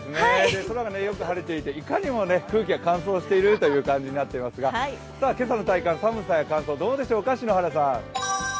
空がよく晴れていていかにも空気が乾燥しているという感じになっていますが、今朝の体感、寒さや乾燥、どうでしょうか、篠原さん。